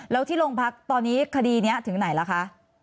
แล้วที่โรงพักตอนนี้คดีนี้ถึงไหนล่ะคะ